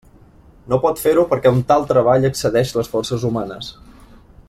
No pot fer-ho perquè un tal treball excedeix les forces humanes.